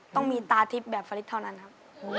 ต้องมีตาทิพย์แบบฟลิดเท่านั้นครับ